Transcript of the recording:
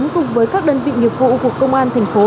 các đơn vị nghiệp vụ của công an thành phố